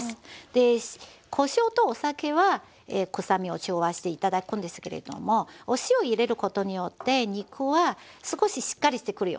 でこしょうとお酒は臭みを中和して頂くんですけれどもお塩入れることによって肉は少ししっかりしてくるよね。